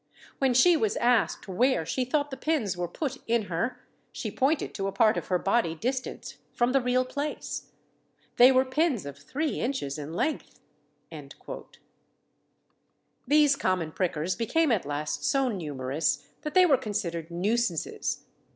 When she was asked where she thought the pins were put in her, she pointed to a part of her body distant from the real place. They were pins of three inches in length." Pitcairn's Records of Justiciary. These common prickers became at last so numerous that they were considered nuisances.